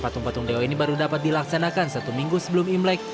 patung patung dewa ini baru dapat dilaksanakan satu minggu sebelum imlek